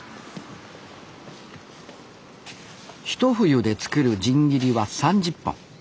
ひと冬で作る新切りは３０本。